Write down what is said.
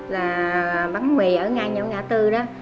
là bán mì ở ngay nhóm ngã tư đó